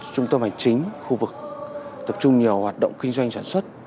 chúng tôi là chính khu vực tập trung nhiều hoạt động kinh doanh trản xuất